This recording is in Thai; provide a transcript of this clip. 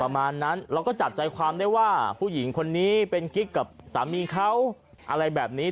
ประมาณนั้นเราก็จับใจความได้ว่าผู้หญิงคนนี้เป็นกิ๊กกับสามีเขาอะไรแบบนี้